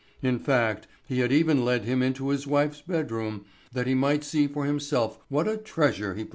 In fact, he had even led him into his wife's bedroom that he might see for himself what a treasure he possessed.